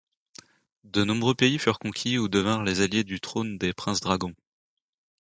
De nombreux pays furent conquis ou devinrent les alliés du Trône des Princes Dragons.